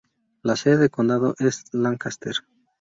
La sede de condado es Lancaster.